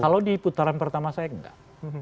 kalau di putaran pertama saya enggak